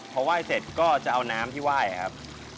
พอไหว้เสร็จก็จะเอาน้ำที่ไหว้ครับ